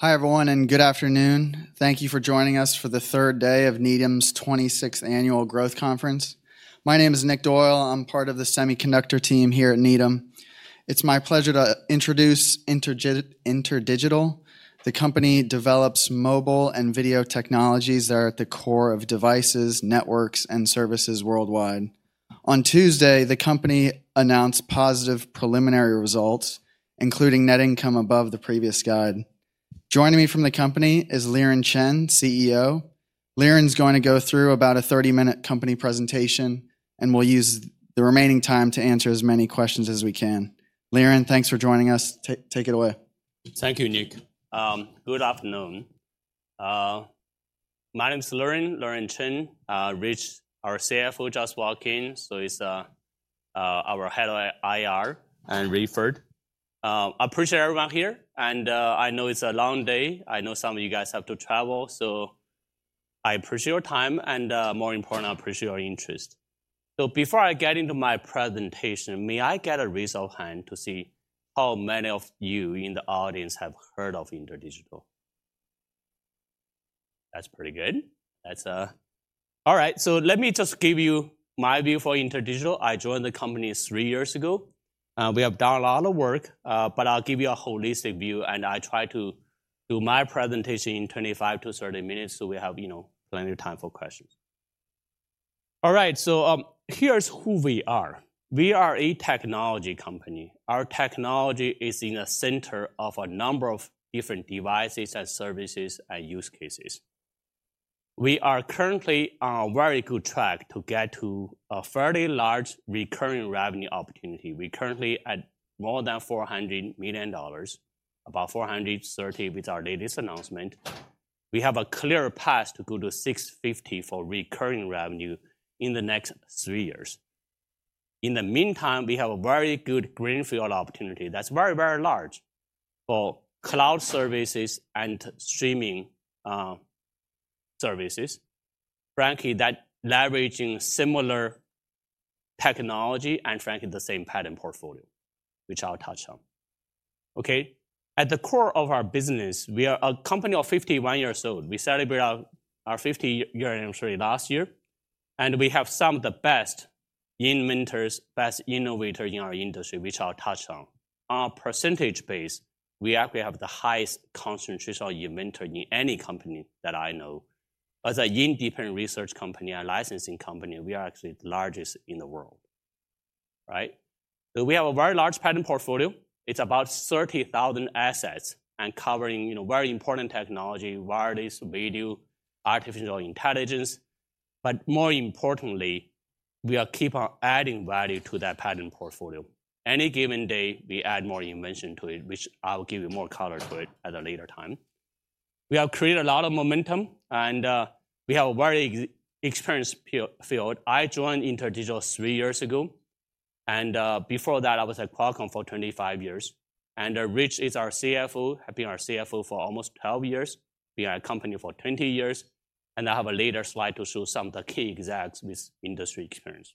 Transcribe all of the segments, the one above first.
Hi, everyone, and good afternoon. Thank you for joining us for the third day of Needham's Twenty-Sixth Annual Growth Conference. My name is Nick Doyle. I'm part of the semiconductor team here at Needham. It's my pleasure to introduce InterDigital. The company develops mobile and video technologies that are at the core of devices, networks, and services worldwide. On Tuesday, the company announced positive preliminary results, including net income above the previous guide. Joining me from the company is Liren Chen, CEO. Liren's going to go through about a thirty-minute company presentation, and we'll use the remaining time to answer as many questions as we can. Liren, thanks for joining us. Take it away. Thank you, Nick. Good afternoon. My name is Liren Chen. Rich, our CFO, just walked in, so he's our head of IR and Brent. I appreciate everyone here, and I know it's a long day. I know some of you guys have to travel, so I appreciate your time, and more importantly, I appreciate your interest. Before I get into my presentation, may I get a raise of hand to see how many of you in the audience have heard of InterDigital? That's pretty good. All right, so let me just give you my view for InterDigital. I joined the company three years ago. We have done a lot of work, but I'll give you a holistic view, and I try to do my presentation in 25-30 minutes, so we have, you know, plenty of time for questions. All right, so, here's who we are. We are a technology company. Our technology is in the center of a number of different devices and services and use cases. We are currently on a very good track to get to a fairly large recurring revenue opportunity. We're currently at more than $400 million, about $430 million with our latest announcement. We have a clear path to go to $650 million for recurring revenue in the next three years. In the meantime, we have a very good greenfield opportunity that's very, very large for cloud services and streaming services. Frankly, that leveraging similar technology and frankly, the same patent portfolio, which I'll touch on. Okay? At the core of our business, we are a company of 51 years old. We celebrate ourand our 50-year anniversary last year, and we have some of the best inventors, best innovators in our industry, which I'll touch on. On a percentage basis, we actually have the highest concentration of inventors in any company that I know. As an independent research company and licensing company, we are actually the largest in the world. Right? So we have a very large patent portfolio. It's about 30,000 assets and covering, you know, very important technology, wireless, radio, artificial intelligence. But more importantly, we keep on adding value to that patent portfolio. Any given day, we add more inventions to it, which I'll give you more color to it at a later time. We have created a lot of momentum, and we have a very experienced field. I joined InterDigital three years ago, and before that, I was at Qualcomm for 25 years. And Rich is our CFO, has been our CFO for almost 12 years. Been at the company for 20 years, and I have a later slide to show some of the key execs with industry experience.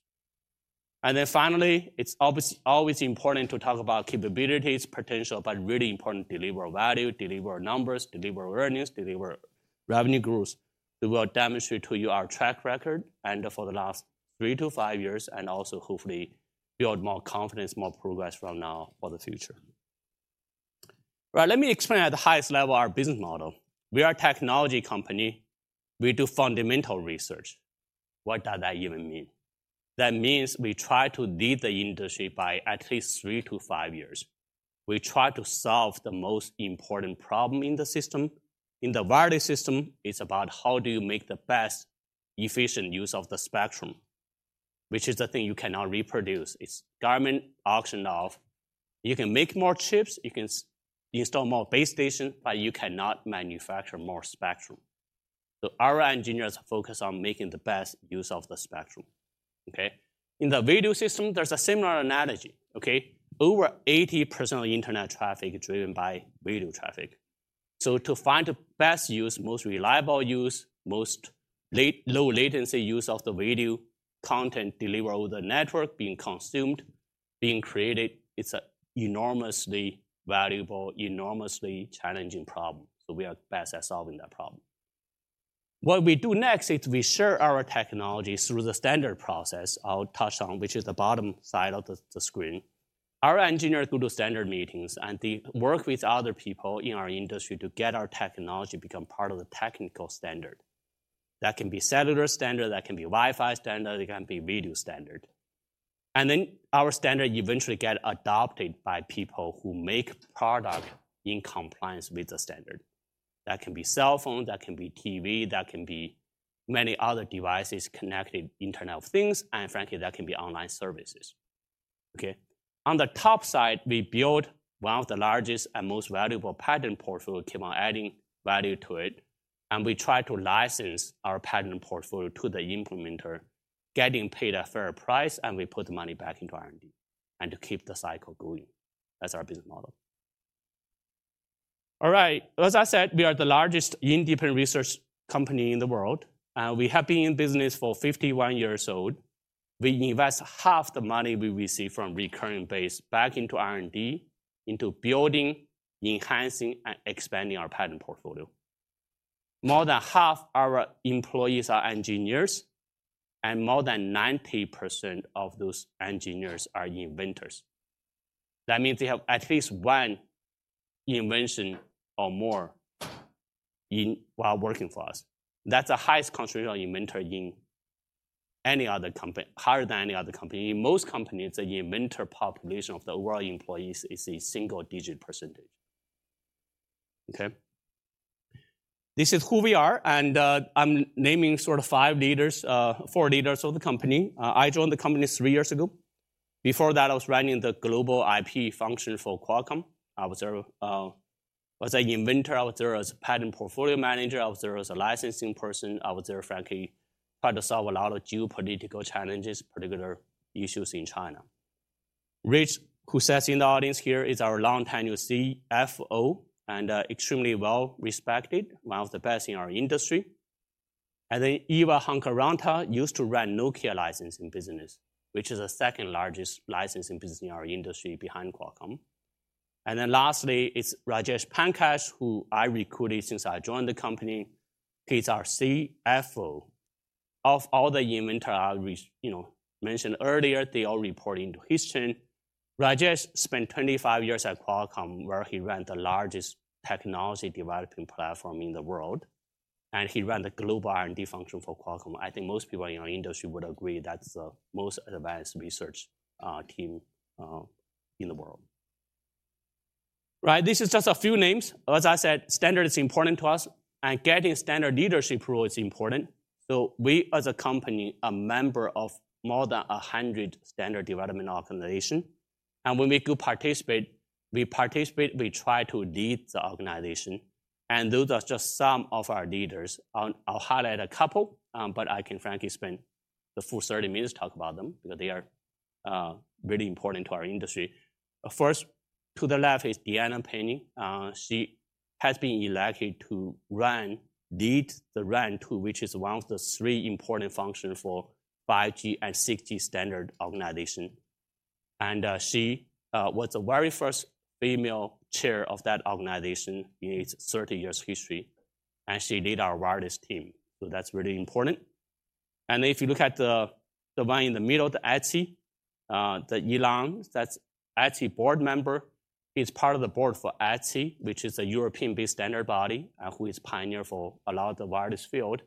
And then finally, it's obvious, always important to talk about capabilities, potential, but really important, deliver value, deliver numbers, deliver awareness, deliver revenue growth. We will demonstrate to you our track record and for the last three-five years, and also hopefully build more confidence, more progress from now for the future. Right, let me explain at the highest level our business model. We are a technology company. We do fundamental research. What does that even mean? That means we try to lead the industry by at least three-five years. We try to solve the most important problem in the system. In the wireless system, it's about how do you make the best efficient use of the spectrum, which is the thing you cannot reproduce. It's government auctioned off. You can make more chips, you can install more base stations, but you cannot manufacture more spectrum. So our engineers focus on making the best use of the spectrum, okay? In the radio system, there's a similar analogy, okay? Over 80% of internet traffic is driven by radio traffic. So to find the best use, most reliable use, most low-latencyit use of the radio content delivered over the network, being consumed, being created, it's an enormously valuable, enormously challenging problem, so we are best at solving that problem. What we do next is we share our technology through the standard process. I'll touch on, which is the bottom side of the screen. Our engineers go to standard meetings, and they work with other people in our industry to get our technology become part of the technical standard. That can be satellite standard, that can be Wi-Fi standard, it can be radio standard. And then our standard eventually gets adopted by people who make product in compliance with the standard. That can be cell phone, that can be TV, that can be many other devices, connected Internet of Things, and frankly, that can be online services. Okay, on the top side, we build one of the largest and most valuable patent portfoliosof, keep on adding value to it, and we try to license our patent portfolio to the implementer, getting paid a fair price, and we put the money back into R&D, and to keep the cycle going. That's our business model. All right, as I said, we are the largest independent research company in the world, and we have been in business for 51 years old.... We invest half the money we receive from recurring base back into R&D, into building, enhancing, and expanding our patent portfolio. More than half the our employees are engineers, and more than 90% of those engineers are inventors. That means they have at least one invention or more while working for us. That's the highest concentration of inventors in any other company, higher than any other company. In most companies, the inventor population of the overall employees is a single-digit percentage. Okay? This is who we are, and I'm naming sort of five leaders, four leaders of the company. I joined the company three years ago. Before that, I was running the global IP function for Qualcomm. I was there, as an inventor, I was there as a patent portfolio manager, I was there as a licensing person, I was there, frankly, trying to solve a lot of geopolitical challenges, particular issues in China. Rich, who sits in the audience here, is our long-time CFO and, extremely well-respected, one of the best in our industry. And then Eeva Hakoranta used to run Nokia Licensing Business, which is the second-largest licensing business in our industry behind Qualcomm. And then lastly is Rajesh Pankaj, whom I recruited since I joined the company. He's our CTO. Of all the inventors I, you know, mentioned earlier, they all report into his team. Rajesh spent 25 years at Qualcomm, where he ran the largest technology developing platform in the world, and he ran the global R&D function for Qualcomm. I think most people in our industry would agree that's the most advanced research team in the world. Right, this is just a few names. As I said, standard is important to us, and getting standard leadership role is important. So we, as a company, are members of more than 100 standard development organizations. And when we go participate, we participate, we try to lead the organization, and those are just some of our leaders. I'll highlight a couple, but I can frankly spend the full 30 minutes talk about them because they are really important to our industry. First, to the left is Diana Pani. She has been elected to run, lead the RAN2, which is one of the three important functions for 5G and 6G standard organization. And, she was the very first female chair of that organization in its 30 years history, and she lead our wireless team, so that's really important. And if you look at the, the one in the middle, the ETSI, the Alain, that's ETSI board member. He's part of the board for ETSI, which is a European-based standard body, who is pioneer for a lot of the wireless field.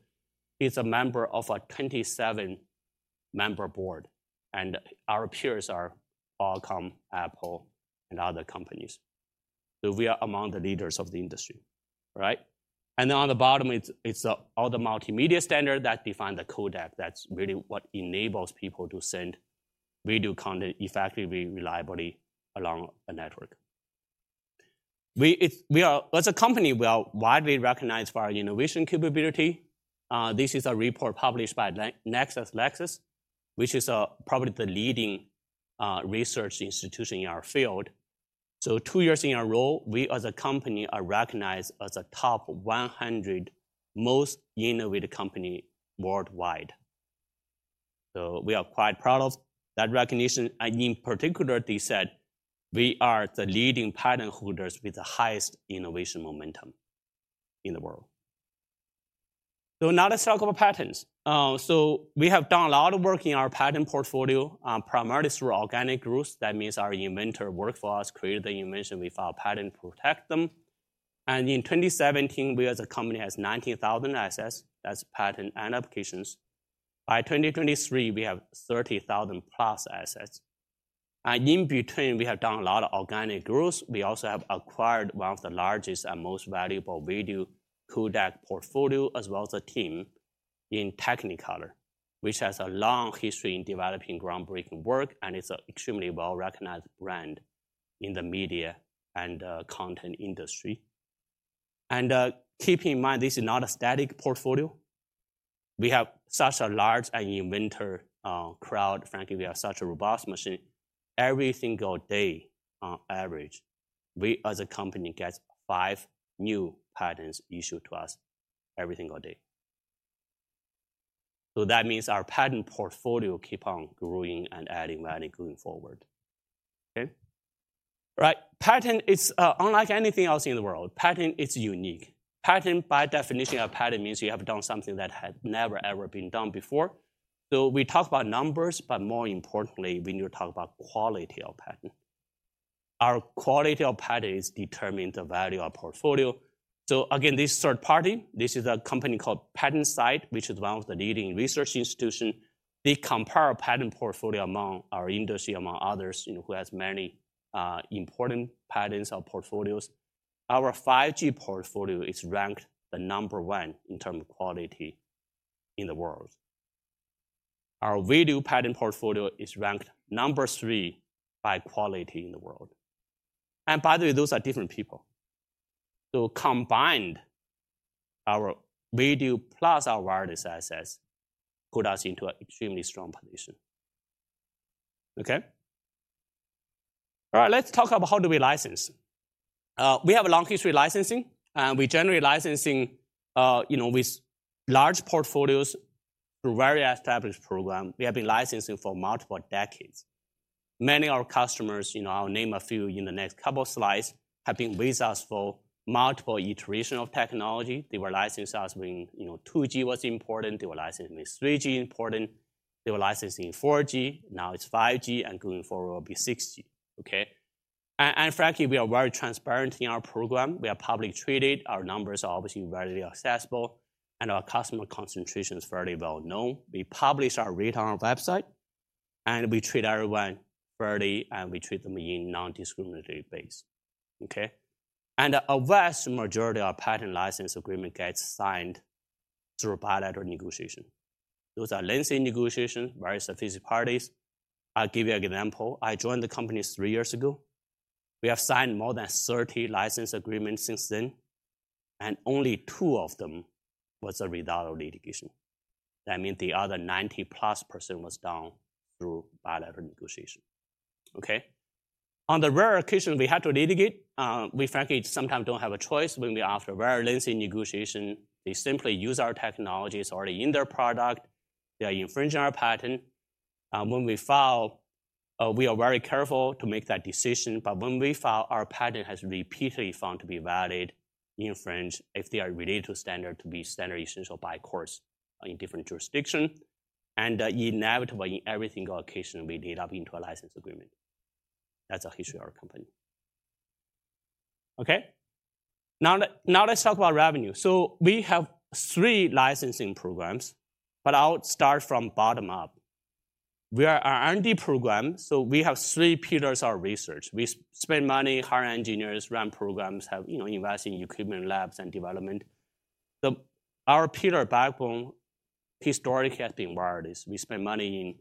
He's a member of a 27-member board, and our peers are Qualcomm, Apple, and other companies. So we are among the leaders of the industry. Right? And then on the bottom, it's, all the multimedia standard that define the codec. That's really what enables people to send video content effectively, reliably along a network. We are, as a company, widely recognized for our innovation capability. This is a report published by LexisNexis, which is probably the leading research institution in our field. So two years in a row, we, as a company, are recognized as a top 100 most innovative company worldwide. So we are quite proud of that recognition, and in particular, they said we are the leading patent holders with the highest innovation momentum in the world. So now let's talk about patents. So we have done a lot of work in our patent portfolio, primarily through organic growth. That means our inventor workforce created the invention, we file patent, protect them. In 2017, we as a company has 19,000 assets, that's patent and applications. By 2023, we have 30,000+ assets. In between, we have done a lot of organic growth. We also have acquired one of the largest and most valuable video codec portfolio, as well as a team in Technicolor, which has a long history in developing groundbreaking work, and it's an extremely well-recognized brand in the media and content industry. Keep in mind, this is not a static portfolio. We have such a large inventor crowd, frankly, we have such a robust machine. Every single day, on average, we as a company, gets five new patents issued to us every single day. So that means our patent portfolio keep on growing and adding value going forward. Okay? Right, patent is unlike anything else in the world. Patent is unique. Patent, by definition, a patent means you have done something that had never, ever been done before. So we talk about numbers, but more importantly, we need to talk about quality of patent. Our quality of patent determines the value of our portfolio. So again, this third party, this is a company called PatentSight, which is one of the leading research institution. They compare patent portfolio among our industry, among others, you know, who has many important patents or portfolios. Our 5G portfolio is ranked the number one in term of quality in the world. Our video patent portfolio is ranked number three by quality in the world. And by the way, those are different people. So combined, our video plus our wireless assets put us into an extremely strong position. Okay?... All right, let's talk about how do we license. We have a long history of licensing, and we generally licensing, you know, with large portfolios through very established program. We have been licensing for multiple decades. Many of our customers, you know, I'll name a few in the next couple of slides, have been with us for multiple iteration of technology. They were licensing us when, you know, 2G was important, they were licensing when 3G important, they were licensing 4G, now it's 5G, and going forward will be 6G. Okay? And, and frankly, we are very transparent in our program. We are publicly traded. Our numbers are obviously very accessible, and our customer concentration is fairly well known. We publish our rate on our website, and we treat everyone fairly, and we treat them in non-discriminatory basis. Okay? And a vast majority of our patent license agreement gets signed through bilateral negotiation. Those are lengthy negotiation, various parties. I'll give you an example. I joined the company three years ago. We have signed more than 30 license agreements since then, and only two of them was a result of litigation. That means the other 90+% was done through bilateral negotiation. Okay? On the rare occasion, we had to litigate, we frankly sometimes don't have a choice when we are after a very lengthy negotiation. They simply use our technologies already in their product. They are infringing our patent. When we file, we are very careful to make that decision, but when we file, our patent has repeatedly found to be valid, infringed, if they are related to standard, to be standard essential by course in different jurisdiction, and, inevitably, in every single occasion, we end up into a license agreement. That's the history of our company. Okay? Now let's talk about revenue. So we have three licensing programs, but I'll start from bottom up. We are our R&D program, so we have three pillars of research. We spend money, hire engineers, run programs, have, you know, invest in equipment, labs, and development. Our pillar backbone historically has been wireless. We spend money in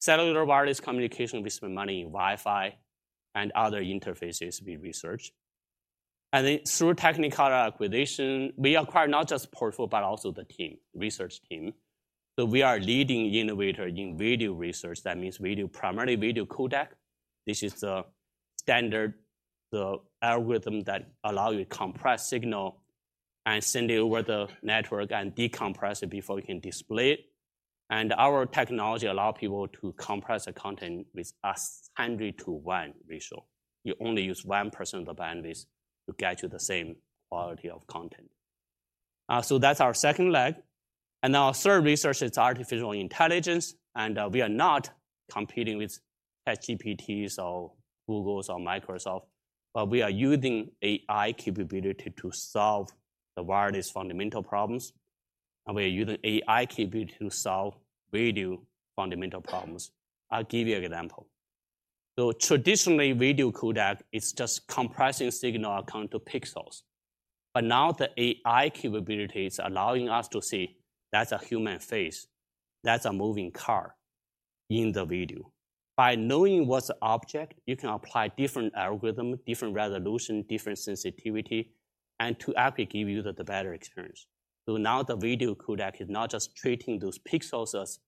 cellular wireless communication, we spend money in Wi-Fi and other interfaces we research. And then through technical acquisition, we acquire not just portfolio, but also the team, research team. So we are leading innovator in video research. That means video, primarily video codec. This is the standard, the algorithm that allow you to compress signal and send it over the network and decompress it before you can display it. And our technology allow people to compress the content with as 100-to-1 ratio. You only use 1% of the bandwidth to get you the same quality of content. So that's our second leg. And our third research is artificial intelligence, and, we are not competing with ChatGPTs or Googles or Microsoft, but we are using AI capability to solve the wireless fundamental problems, and we are using AI capability to solve video fundamental problems. I'll give you an example. So traditionally, video codec is just compressing signal account to pixels. But now the AI capability is allowing us to see that's a human face, that's a moving car in the video. By knowing what's the object, you can apply different algorithm, different resolution, different sensitivity, and to actually give you the better experience. So now the video codec is not just treating those pixels as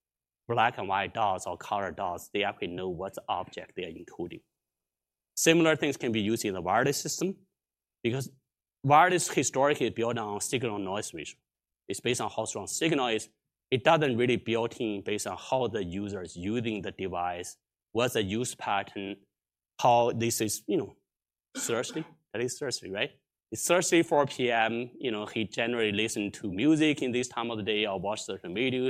black and white dots or colored dots, they actually know what object they are encoding. Similar things can be used in the wireless system, because wireless historically built on signal-to-noise ratio. It's based on how strong signal is. It doesn't really built in based on how the user is using the device, what's the use pattern, how this is, you know, Thursday. That is Thursday, right? It's Thursday, 4:00 P.M., you know, he generally listen to music in this time of the day or watch certain video,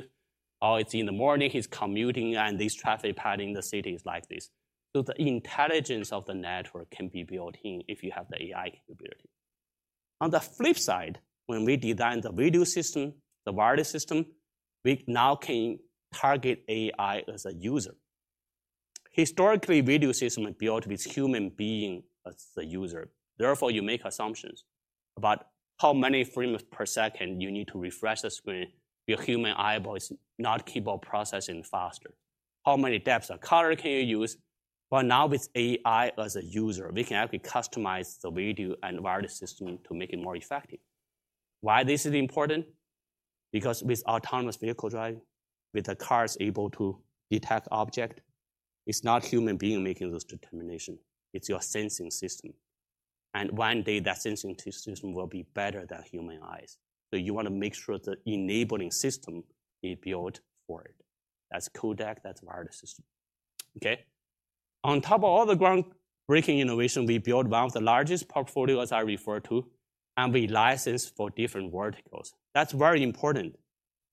or it's in the morning, he's commuting, and this traffic pattern in the city is like this. So the intelligence of the network can be built in if you have the AI capability. On the flip side, when we design the video system, the wireless system, we now can target AI as a user. Historically, video system is built with human being as the user. Therefore, you make assumptions about how many frames per second you need to refresh the screen. Your human eyeball is not capable of processing faster. How many depths of color can you use? But now with AI as a user, we can actually customize the video and wireless system to make it more effective. Why this is important? Because with autonomous vehicle driving, with the cars able to detect object, it's not human being making those determination. It's your sensing system. And one day, that sensing system will be better than human eyes. So you want to make sure the enabling system is built for it. That's codec, that's wireless system. Okay? On top of all the groundbreaking innovation, we built one of the largest portfolio, as I referred to, and we license for different verticals. That's very important.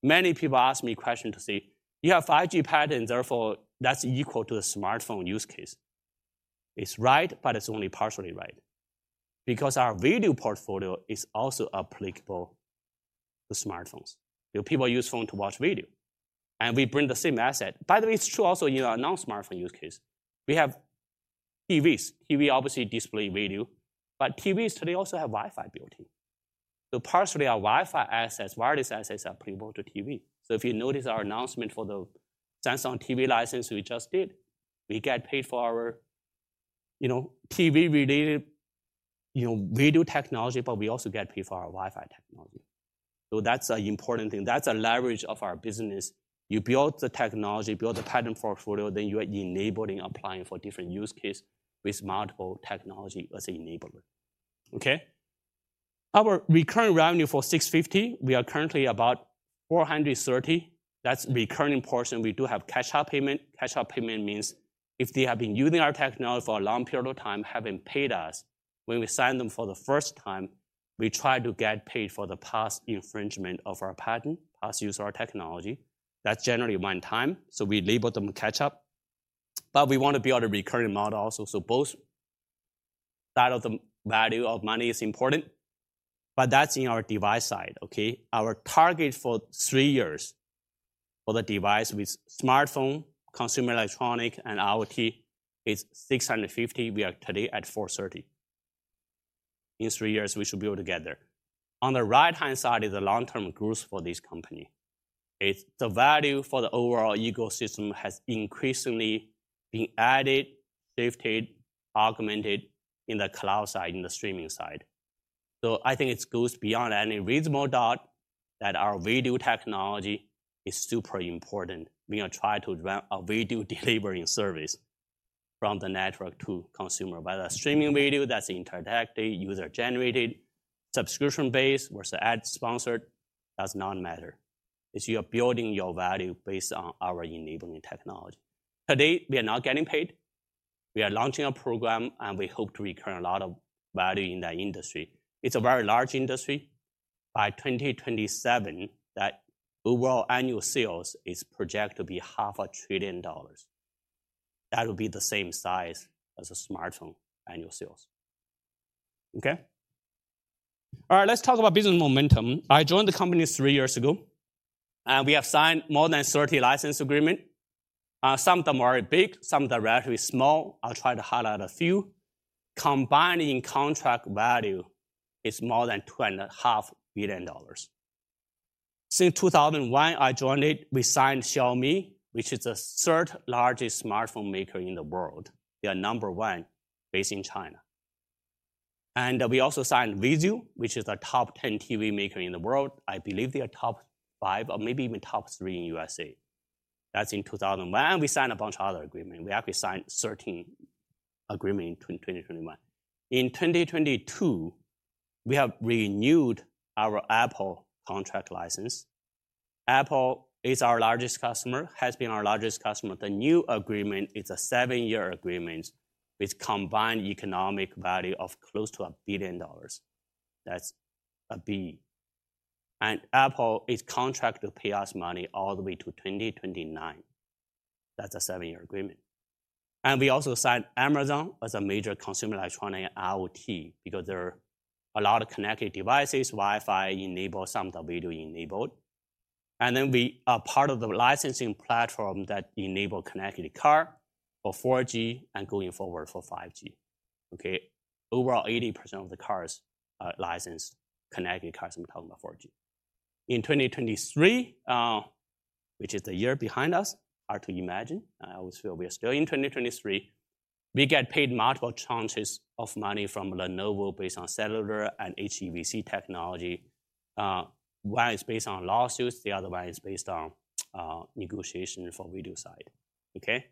Many people ask me a question to say, "You have 5G patent, therefore, that's equal to a smartphone use case." It's right, but it's only partially right, because our video portfolio is also applicable to smartphones. You know, people use phones to watch video, and we bring the same asset. By the way, it's true also in our non-smartphone use case. We have TVs. TV obviously display video, but TVs today also have Wi-Fi built in. So partially, our Wi-Fi assets, wireless assets are applicable to TV. So if you notice our announcement for the Samsung TV license we just did, we get paid for our, you know, TV-related, you know, video technology, but we also get paid for our Wi-Fi technology. So that's an important thing. That's a leverage of our business. You build the technology, build the patent portfolio, then you are enabling, applying for different use case with multiple technology as enabler. Okay? Our recurring revenue for $650, we are currently about $430. That's recurring portion. We do have catch-up payment. Catch-up payment means if they have been using our technology for a long period of time, haven't paid us, when we sign them for the first time, we try to get paid for the past infringement of our patent, past use of our technology. That's generally one time, so we label them catch-up. But we want to build a recurring model also. So both side of the value of money is important, but that's in our device side, okay? Our target for three years for the device with smartphone, consumer electronic and IoT is $650. We are today at $430. In three years, we should be able to get there. On the right-hand side is the long-term growth for this company. It's the value for the overall ecosystem has increasingly been added, shifted, augmented in the cloud side, in the streaming side. So I think it goes beyond any reasonable doubt that our video technology is super important. We are trying to advance our video delivering service from the network to consumer, whether that's streaming video, that's interactive, user-generated, subscription-based versus ad-sponsored, does not matter, is you're building your value based on our enabling technology. Today, we are not getting paid. We are launching a program, and we hope to recur a lot of value in that industry. It's a very large industry. By 2027, that overall annual sales is projected to be $500 billion. That will be the same size as a smartphone annual sales. Okay? All right, let's talk about business momentum. I joined the company three years ago, and we have signed more than 30 license agreements. Some of them are big, some of them are relatively small. I'll try to highlight a few. Combined in contract value is more than $2.5 billion. Since 2001, I joined it, we signed Xiaomi, which is the third-largest smartphone maker in the world. They are number one, based in China. And we also signed VIZIO, which is a top 10 TV maker in the world. I believe they are top five or maybe even top three in USA. That's in 2001. We signed a bunch of other agreements. We actually signed 13 agreements in 2021. In 2022, we have renewed our Apple contract license. Apple is our largest customer, has been our largest customer. The new agreement is a seven-year agreement with combined economic value of close to $1 billion. That's a B. And Apple is contracted to pay us money all the way to 2029. That's a seven-year agreement. And we also signed Amazon as a major consumer electronic IoT, because there are a lot of connected devices, Wi-Fi-enabled, some of them video-enabled. And then we are part of the licensing platform that enable connected car for 4G and going forward for 5G, okay? Overall, 80% of the cars license, connected cars, I'm talking about 4G. In 2023, which is the year behind us, hard to imagine. I always feel we are still in 2023. We get paid multiple tranches of money from Lenovo based on cellular and HEVC technology. One is based on lawsuits, the other one is based on negotiation for video side. Okay?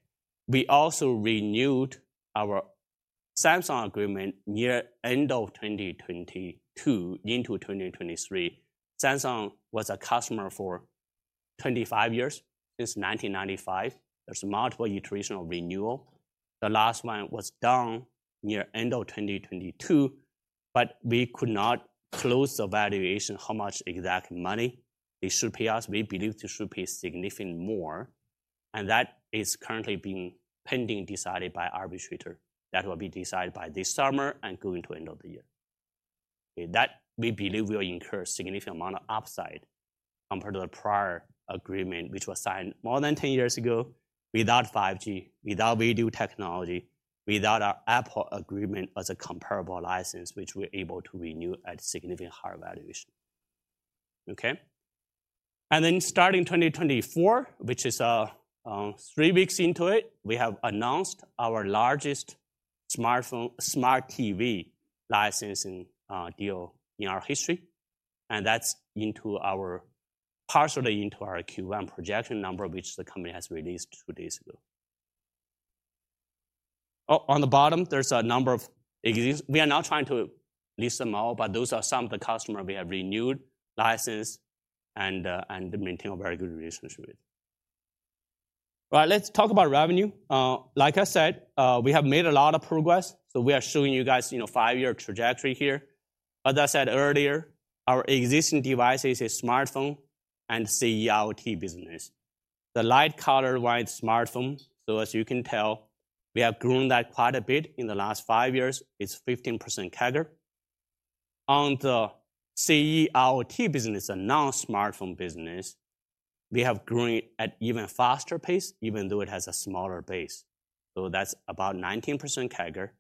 We also renewed our Samsung agreement near end of 2022 into 2023. Samsung was a customer for 25 years, since 1995. There's multiple traditional renewal. The last one was done near end of 2022, but we could not close the valuation, how much exact money they should pay us. We believe they should pay significant more, and that is currently being pending, decided by arbitrator. That will be decided by this summer and going to end of the year. That we believe will incur significant amount of upside compared to the prior agreement, which was signed more than 10 years ago, without 5G, without video technology, without our Apple agreement as a comparable license, which we're able to renew at significant higher valuation. Okay? Then starting 2024, which is three weeks into it, we have announced our largest smartphone-smart TV licensing deal in our history, and that's partially into our Q1 projection number, which the company has released two days ago. Oh, on the bottom, there's a number of exist— We are not trying to list them all, but those are some of the customer we have renewed license and maintain a very good relationship with. Right, let's talk about revenue. Like I said, we have made a lot of progress, so we are showing you guys, you know, five-year trajectory here. As I said earlier, our existing devices is smartphone and CE/IoT business. The light color wide smartphone, so as you can tell, we have grown that quite a bit in the last five years. It's 15% CAGR. On the CE/IoT business and non-smartphone business, we have grown it at even faster pace, even though it has a smaller base. So that's about 19% CAGR.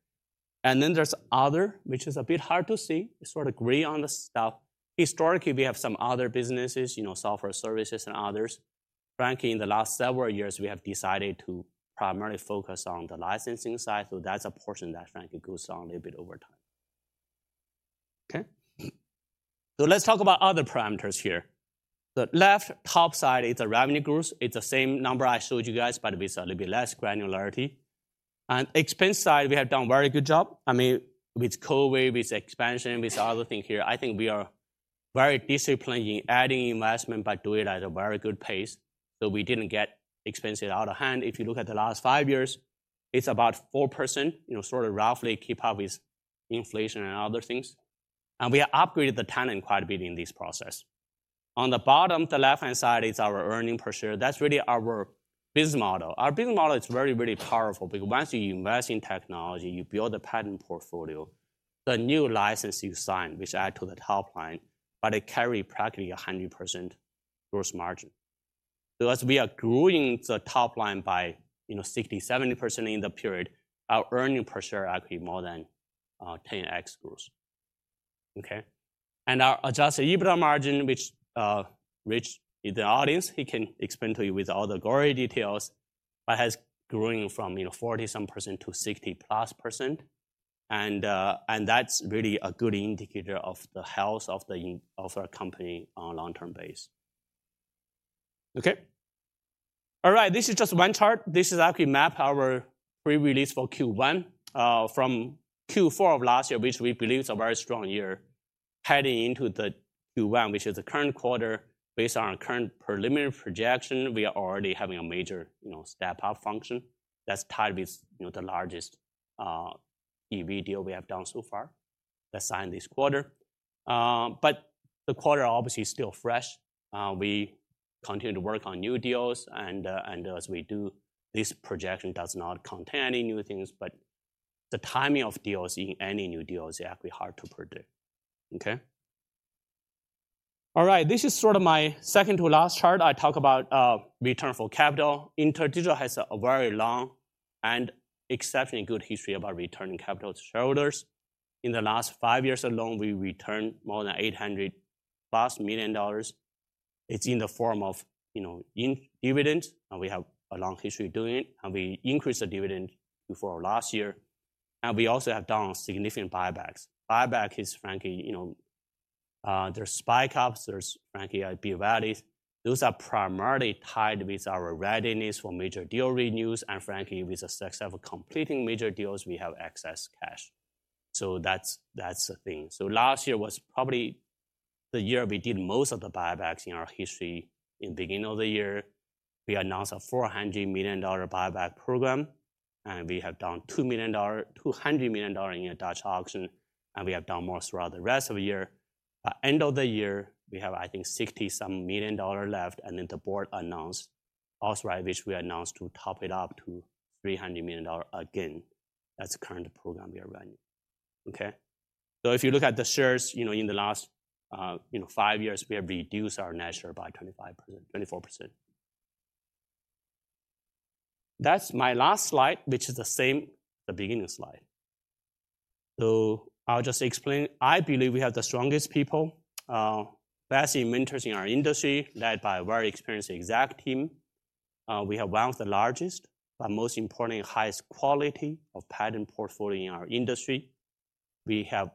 And then there's other, which is a bit hard to see, it's sort of gray on the top. Historically, we have some other businesses, you know, software services and others. Frankly, in the last several years, we have decided to primarily focus on the licensing side, so that's a portion that frankly, goes on a bit over time. Okay? So let's talk about other parameters here. The left top side is the revenue growth. It's the same number I showed you guys, but with a little bit less granularity. On expense side, we have done very good job. I mean, with COVID, with expansion, with other thing here, I think we are very disciplined in adding investment, but do it at a very good pace. So we didn't get expenses out of hand. If you look at the last five years, it's about 4%, you know, sort of roughly keep up with inflation and other things. We have upgraded the talent quite a bit in this process. On the bottom, the left-hand side is our earnings per share. That's really our business model. Our business model is very, very powerful, because once you invest in technology, you build a patent portfolio, the new license you sign, which add to the top line, but it carry practically a 100% gross margin. So as we are growing the top line by, you know, 60%-70% in the period, our earnings per share actually more than 10x growth. Okay? And our Adjusted EBITDA margin, which, Rich in the audience, he can explain to you with all the gory details, but has grown from, you know, 40-some% to 60+%. And that's really a good indicator of the health of our company on a long-term basis. Okay. All right, this is just one chart. This is actually our pre-release for Q1 from Q4 of last year, which we believe is a very strong year. Heading into the Q1, which is the current quarter, based on current preliminary projection, we are already having a major, you know, step-up function that's tied with, you know, the largest HEVC deal we have done so far. That's signed this quarter. But the quarter obviously is still fresh. We continue to work on new deals and, and as we do, this projection does not contain any new things, but the timing of deals, any new deals is actually hard to predict. Okay? All right, this is sort of my second to last chart. I talk about return of capital. InterDigital has a very long and exceptionally good history about returning capital to shareholders. In the last five years alone, we returned more than $800+ million. It's in the form of, you know, in dividend, and we have a long history of doing it, and we increased the dividend before last year. We also have done significant buybacks. Buyback is frankly, you know, there's spike ups, there's frankly, IP values. Those are primarily tied with our readiness for major deal renewals, and frankly, with the success of completing major deals, we have excess cash. So that's, that's the thing. So last year was probably the year we did most of the buybacks in our history. In the beginning of the year, we announced a $400 million buyback program, and we have done $200 million in a Dutch auction, and we have done more throughout the rest of the year. By end of the year, we have, I think, $60-some million left, and then the board announced, also right, which we announced to top it up to $300 million again. That's the current program we are running. Okay? So if you look at the shares, you know, in the last, you know, 5 years, we have reduced our share by 25%--24%. That's my last slide, which is the same, the beginning slide. So I'll just explain. I believe we have the strongest people, best inventors in our industry, led by a very experienced exec team. We have one of the largest, but most importantly, highest quality of patent portfolio in our industry. We have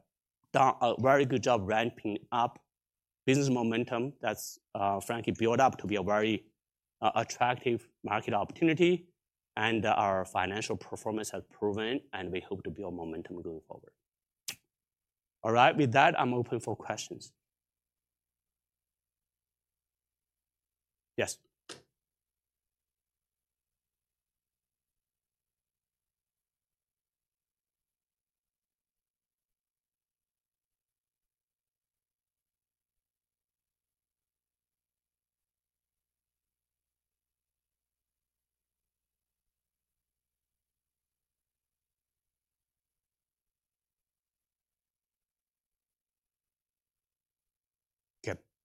done a very good job ramping up business momentum that's, frankly, built up to be a very, attractive market opportunity, and our financial performance has proven, and we hope to build momentum going forward. All right, with that, I'm open for questions. Yes.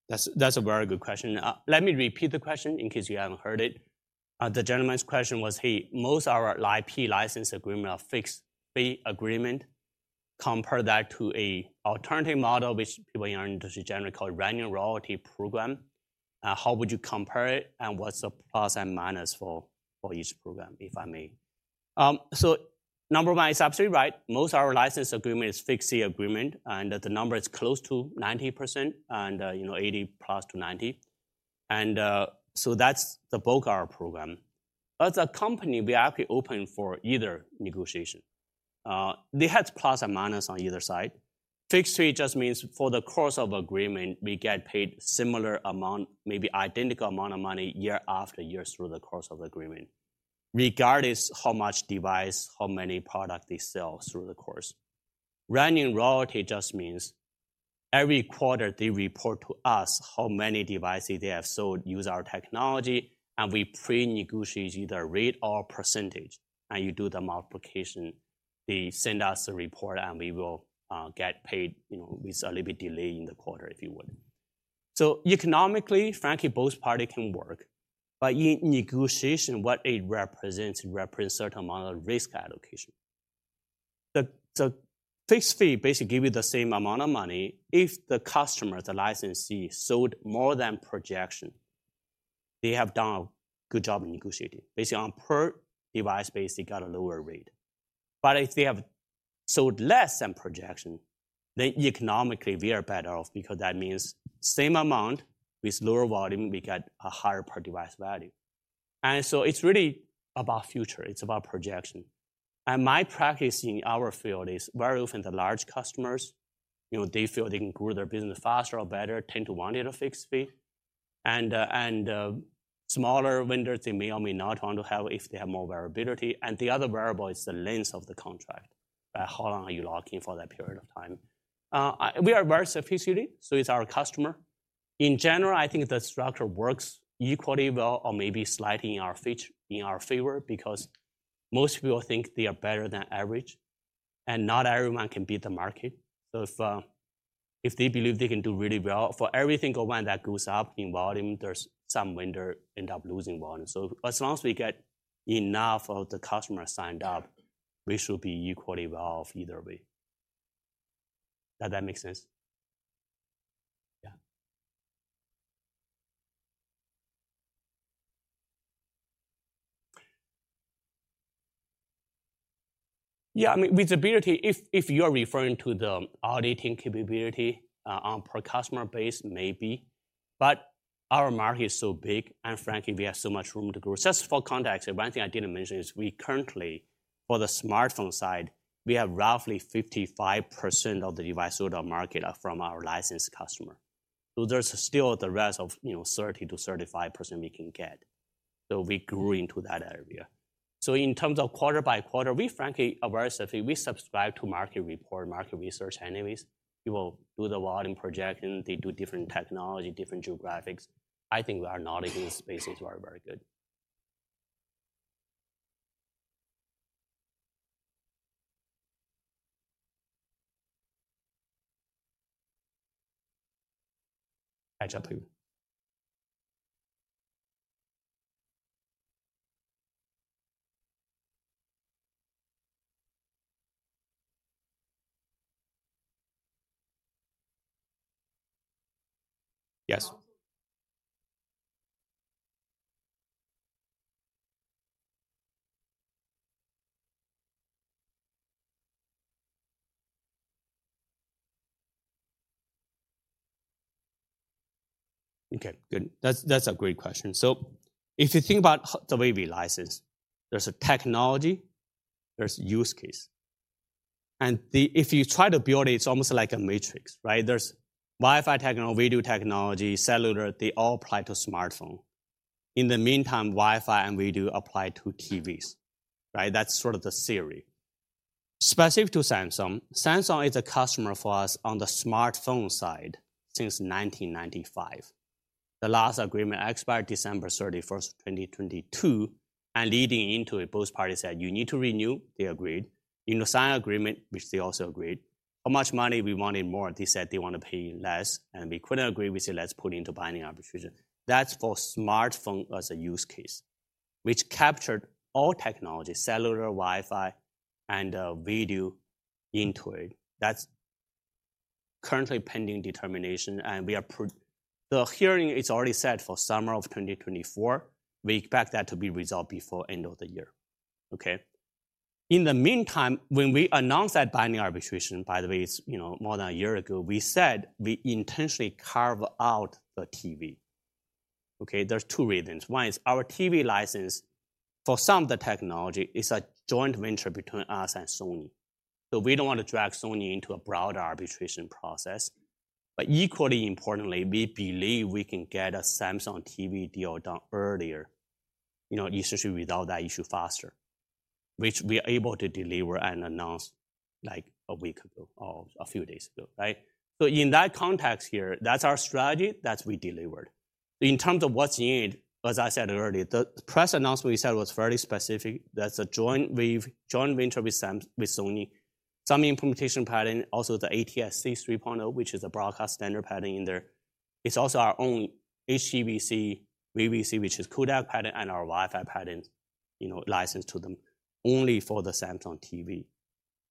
Okay, that's, that's a very good question. Let me repeat the question in case you haven't heard it. The gentleman's question was, "Hey, most of our IP license agreement are fixed fee agreement. Compare that to a alternative model, which people in our industry generally call running royalty program. How would you compare it, and what's the plus and minus for, for each program, if I may?" So number one, it's absolutely right. Most of our license agreement is fixed fee agreement, and the number is close to 90% and, you know, 80+ to 90. So that's the bulk of our program. As a company, we are actually open for either negotiation. They have plus and minus on either side. Fixed fee just means for the course of agreement, we get paid similar amount, maybe identical amount of money, year after year through the course of agreement, regardless how much device, how many product they sell through the course. Running royalty just means every quarter, they report to us how many devices they have sold, use our technology, and we pre-negotiate either rate or percentage, and you do the multiplication. They send us a report, and we will get paid, you know, with a little bit delay in the quarter, if you would. So economically, frankly, both party can work, but in negotiation, what it represents, it represents certain amount of risk allocation. The fixed fee basically give you the same amount of money. If the customer, the licensee, sold more than projection, they have done a good job in negotiating. Basically, on per device basis, they got a lower rate. But if they have sold less than projection, then economically we are better off because that means same amount with lower volume, we get a higher per device value. And so it's really about future, it's about projection. And my practice in our field is very often the large customers, you know, they feel they can grow their business faster or better, tend to want it a fixed fee. And smaller vendors, they may or may not want to have if they have more variability. And the other variable is the length of the contract. How long are you locking for that period of time? We are very sufficiently, so it's our customer. In general, I think the structure works equally well or maybe slightly in our favor, because most people think they are better than average, and not everyone can beat the market. So if they believe they can do really well, for every single one that goes up in volume, there's some vendor end up losing volume. So as long as we get enough of the customers signed up, we should be equally well off either way. Does that make sense? Yeah. Yeah, I mean, visibility, if you're referring to the auditing capability, on per customer base, maybe. But our market is so big, and frankly, we have so much room to grow. Just for context, one thing I didn't mention is we currently, for the smartphone side, we have roughly 55% of the device total market are from our licensed customer. So there's still the rest of, you know, 30%-35% we can get. So we grew into that area. So in terms of quarter by quarter, we frankly, very safely, we subscribe to market report, market research anyways. People do the volume projection, they do different technology, different geographics. I think we are not in these spaces, we are very good. I jump to you. Yes? Okay, good. That's, that's a great question. So if you think about the way we license, there's a technology, there's use case. And if you try to build it, it's almost like a matrix, right? There's Wi-Fi technology, video technology, cellular, they all apply to smartphone. In the meantime, Wi-Fi and video apply to TVs, right? That's sort of the theory. Specific to Samsung, Samsung is a customer for us on the smartphone side since 1995. The last agreement expired December 31, 2022, and leading into it, both parties said, "You need to renew." They agreed. You know, sign an agreement, which they also agreed. How much money we wanted more? They said they want to pay less, and we couldn't agree, we said, "Let's put into binding arbitration." That's for smartphone as a use case, which captured all technology, cellular, Wi-Fi, and video into it. That's currently pending determination. The hearing is already set for summer of 2024. We expect that to be resolved before end of the year, okay? In the meantime, when we announced that binding arbitration, by the way, it's you know, more than a year ago, we said we intentionally carve out the TV, okay? There's two reasons. One is our TV license for some of the technology is a joint venture between us and Sony. So we don't want to drag Sony into a broader arbitration process. But equally importantly, we believe we can get a Samsung TV deal done earlier, you know, essentially resolve that issue faster, which we are able to deliver and announce like a week ago or a few days ago, right? So in that context here, that's our strategy, that's we delivered. In terms of what's needed, as I said earlier, the press announcement we said was very specific. That's a joint venture with Sony. Some implementation pattern, also the ATSC 3.0, which is a broadcast standard pattern in there. It's also our own HEVC, VVC, which is codec pattern and our Wi-Fi pattern, you know, licensed to them only for the Samsung TV.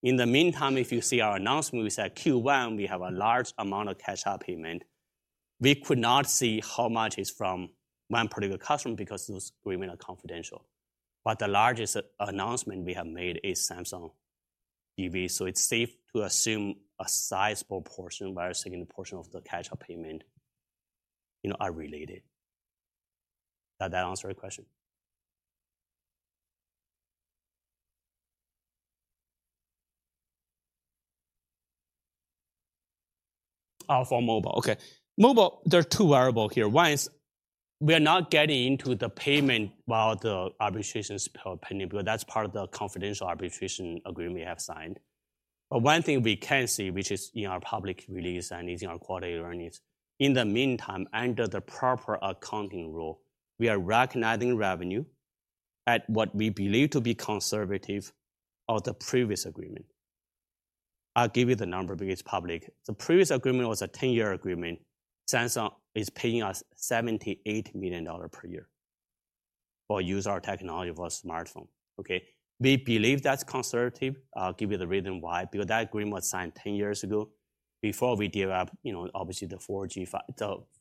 In the meantime, if you see our announcement, we said Q1, we have a large amount of catch up payment. We could not see how much is from one particular customer because those agreements are confidential. But the largest announcement we have made is Samsung TV, so it's safe to assume a sizable portion, very significant portion of the catch up payment, you know, are related. Does that answer your question? For mobile. Okay. Mobile, there are two variable here. One is, we are not getting into the payment while the arbitration is pending, because that's part of the confidential arbitration agreement we have signed. But one thing we can see, which is in our public release and is in our quarterly earnings, in the meantime, under the proper accounting rule, we are recognizing revenue at what we believe to be conservative of the previous agreement. I'll give you the number because it's public. The previous agreement was a 10-year agreement. Samsung is paying us $78 million per year or use our technology for smartphone, okay? We believe that's conservative. I'll give you the reason why. Because that agreement was signed 10 years ago, before we developed, you know, obviously the 4G,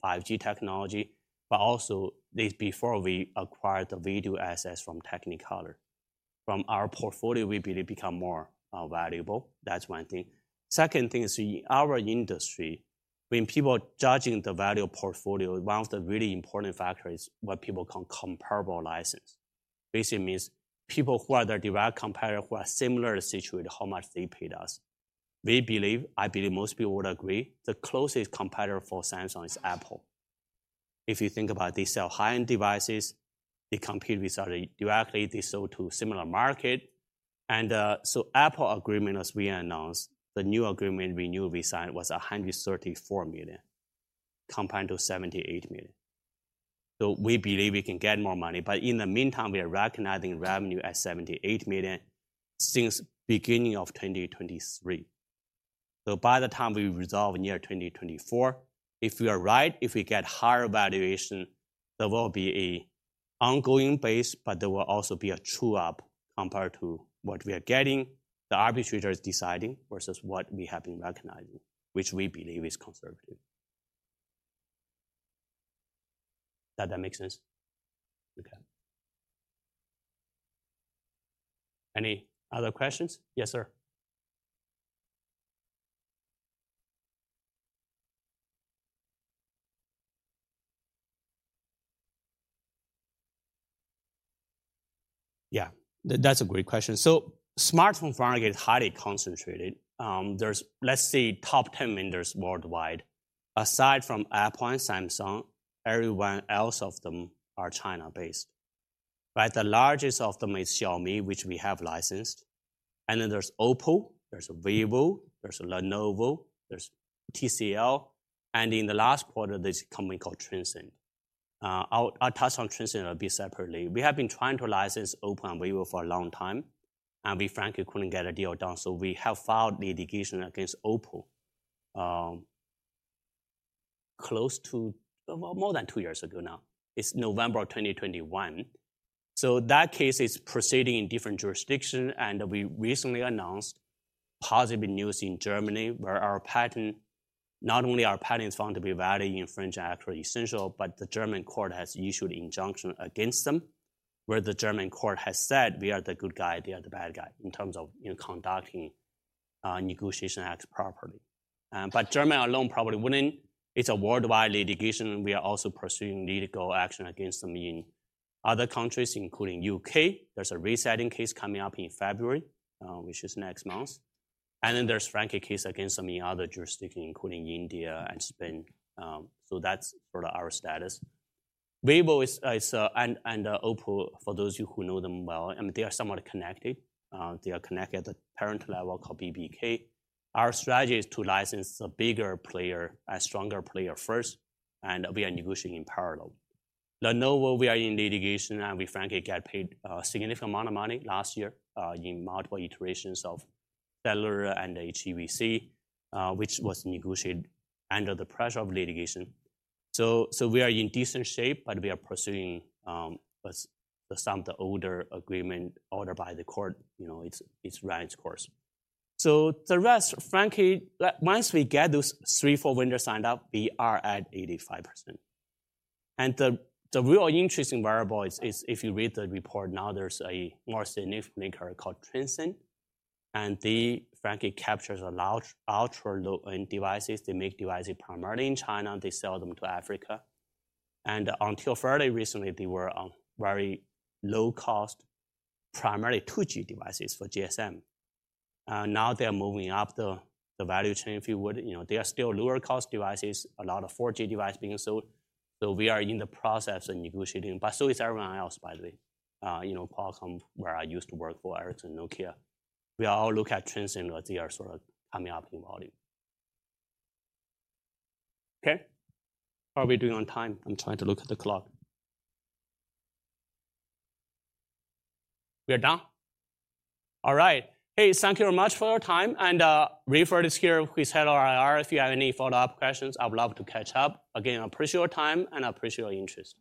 5G technology, but also this before we acquired the video assets from Technicolor. From our portfolio, we believe become more valuable. That's one thing. Second thing is, in our industry, when people are judging the value of portfolio, one of the really important factor is what people call comparable license. Basically means people who are their direct competitor, who are similarly situated, how much they paid us. We believe, I believe most people would agree, the closest competitor for Samsung is Apple. If you think about they sell high-end devices, they compete with us directly, they sell to similar market. And so Apple agreement, as we announced, the new agreement we knew we signed was $134 million, compared to $78 million. So we believe we can get more money, but in the meantime, we are recognizing revenue at $78 million since beginning of 2023. So by the time we resolve in year 2024, if we are right, if we get higher valuation, there will be an ongoing base, but there will also be a true up compared to what we are getting, the arbitrator is deciding versus what we have been recognizing, which we believe is conservative. Does that make sense? Okay. Any other questions? Yes, sir. Yeah, that's a great question. So smartphone market is highly concentrated. There's let's say top 10 vendors worldwide, aside from Apple and Samsung, everyone else of them are China-based, right? The largest of them is Xiaomi, which we have licensed, and then there's Oppo, there's Vivo, there's Lenovo, there's TCL, and in the last quarter, there's a company called Transsion. I'll touch on Transsion a bit separately. We have been trying to license Oppo and Vivo for a long time, and we frankly couldn't get a deal done, so we have filed the litigation against Oppo, more than two years ago now. It's November of 2021. So that case is proceeding in different jurisdiction, and we recently announced positive news in Germany, where our patent, not only our patent is found to be valid, infringed, and actually essential, but the German court has issued an injunction against them, where the German court has said we are the good guy, they are the bad guy, in terms of, you know, conducting negotiation acts properly. But Germany alone probably wouldn't. It's a worldwide litigation, we are also pursuing legal action against them in other countries, including U.K. There's a resetting case coming up in February, which is next month. And then there's frankly a case against them in other jurisdictions, including India and Spain. So that's sort of our status. Vivo is and Oppo, for those of you who know them well, and they are somewhat connected. They are connected at the parent level called BBK. Our strategy is to license the bigger player, a stronger player first, and we are negotiating in parallel. Lenovo, we are in litigation, and we frankly got paid a significant amount of money last year in multiple tranches of cellular and HEVC, which was negotiated under the pressure of litigation. So we are in decent shape, but we are pursuing some of the older agreements ordered by the court, you know, it's run its course. So the rest, frankly, once we get those three, four vendors signed up, we are at 85%. And the really interesting variable is if you read the report now, there's a more significant maker called Transsion, and they frankly captures a large-- ultra-low-end devices. They make devices primarily in China, they sell them to Africa. And until fairly recently, they were on very low cost, primarily 2G devices for GSM. Now they're moving up the value chain, if you would. You know, they are still lower cost devices, a lot of 4G devices being sold. So we are in the process of negotiating, but so is everyone else, by the way. You know, Qualcomm, where I used to work for, Ericsson, Nokia, we all look at Transsion as they are sort of coming up in volume. Okay. How are we doing on time? I'm trying to look at the clock. We are done? All right. Hey, thank you very much for your time, and Brent is here, who's head of IR. If you have any follow-up questions, I would love to catch up. Again, I appreciate your time and I appreciate your interest.